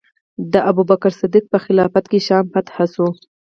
د ابوبکر صدیق په خلافت کې شام فتح شو.